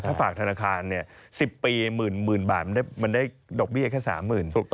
ถ้าฝากธนาคาร๑๐ปี๑๐๐๐บาทมันได้ดอกเบี้ยแค่๓๐๐๐